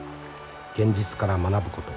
現実から学ぶこと。